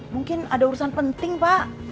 mungkin ada urusan penting pak